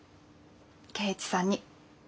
圭一さんに。